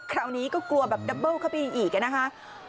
คราวนี้ก็กลัวแบบดับเบิ้ลเข้าไปอีกนะคะ